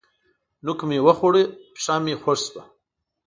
نوک مې وخوړ؛ پښه مې خوږ شوه.